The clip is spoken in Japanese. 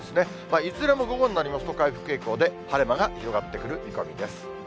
いずれも午後になりますと回復傾向で、晴れ間が広がってくる見込みです。